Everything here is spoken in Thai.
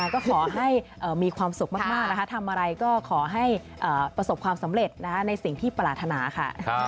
ก็ขอให้มีความสุขมากนะคะทำอะไรก็ขอให้ประสบความสำเร็จในสิ่งที่ปรารถนาค่ะ